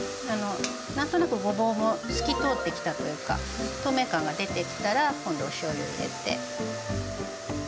何となくごぼうも透き通ってきたというか透明感が出てきたら今度おしょうゆを入れて。